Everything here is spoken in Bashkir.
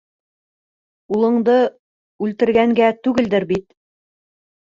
Улыңды үлтергәнгә түгелдер бит?